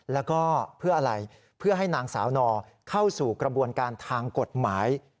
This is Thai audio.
แล้วก็เพื่ออะไรเพื่อให้นางสาวนอเข้าสู่กระบวนการทางกฎหมาย